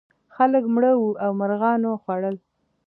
خلک مړه وو او مرغانو خوړل.